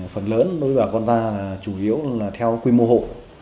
phần lớn đối với bà con ta là chủ yếu là theo quy mô hộ